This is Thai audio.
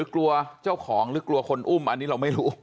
กลัวเจ้าของหรือกลัวคนอุ้มอันนี้เราไม่รู้